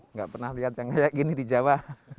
nggak pernah lihat yang kayak gini di jawa